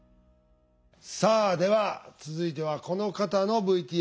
さあでは続いてはこの方のＶＴＲです。